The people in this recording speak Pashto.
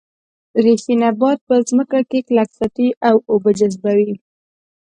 ریښې نبات په ځمکه کې کلک ساتي او اوبه جذبوي